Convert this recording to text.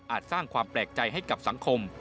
สร้างความแปลกใจให้กับสังคม